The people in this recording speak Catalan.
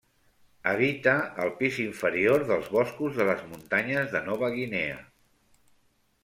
Habita el pis inferior dels boscos de les muntanyes de Nova Guinea.